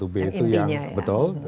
satu b itu yang betul